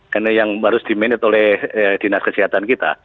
karena yang harus diminut oleh dinas kesehatan kita